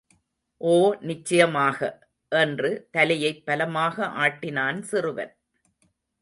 ஓ நிச்சயமாக! என்று தலையைப் பலமாக ஆட்டினான் சிறுவன்.